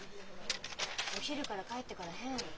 お昼から帰ってから変。